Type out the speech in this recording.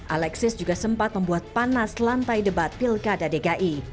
alexis juga sempat membuat panas lantai debat pilkada dki